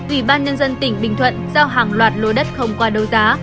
ủy ban nhân dân tỉnh bình thuận giao hàng loạt lô đất không qua đấu giá